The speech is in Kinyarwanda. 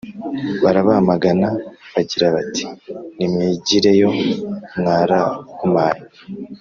Barabamaganaga bagira bati «Nimwigireyo mwarahumanye!